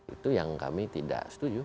itu yang kami tidak setuju